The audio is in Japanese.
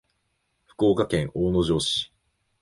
福岡県大野城市